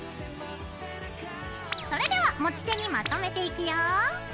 それでは持ち手にまとめていくよ。